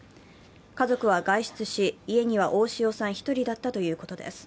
家族は外出し、家には大塩さん１人だったということです。